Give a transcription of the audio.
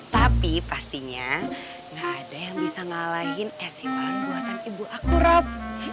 tapi pastinya gak ada yang bisa ngalahin es ipalan buatan ibu aku rob